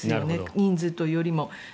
人数というよりも。